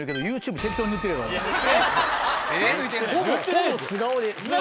ほぼ素顔で。